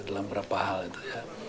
dalam beberapa hal itu ya